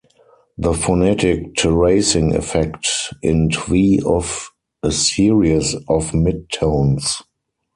The phonetic terracing effect in Twi of a series of mid tones.